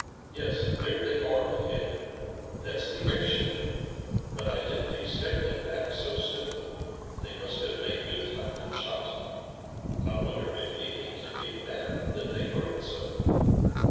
"Yes, there they are," he added. "That's the airship, but I didn't expect them back so soon. They must have made good time from Shopton. I wonder if anything can be the matter that they hurried so?"